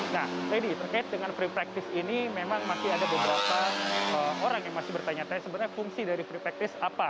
nah lady terkait dengan free practice ini memang masih ada beberapa orang yang masih bertanya tanya sebenarnya fungsi dari free practice apa